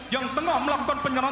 yang tengah melakukan penyerahan